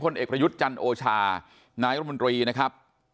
เอกประยุทธ์จันทร์โอชานายรมนตรีนะครับ